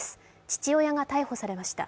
父親が逮捕されました。